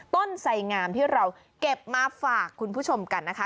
ไสงามที่เราเก็บมาฝากคุณผู้ชมกันนะคะ